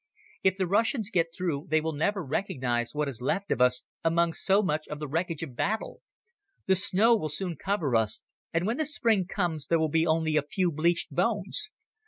If the Russians get through they will never recognize what is left of us among so much of the wreckage of battle. The snow will soon cover us, and when the spring comes there will only be a few bleached bones.